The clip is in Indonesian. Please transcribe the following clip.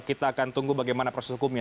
kita akan tunggu bagaimana proses hukumnya